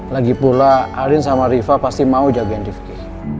lagi pula arin sama riva pasti mau jagain divki